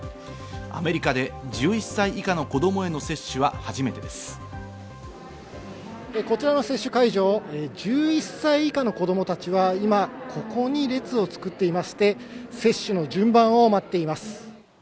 アメリカで１１歳以下の子供へのこちらの接種会場、１１歳以下の子供たちは、今ここに列を作っていまして接種の順番を待っています。